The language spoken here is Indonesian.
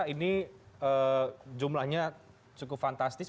ini jumlahnya cukup fantastis